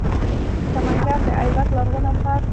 سمنګان د ایبک لرغونی ښار لري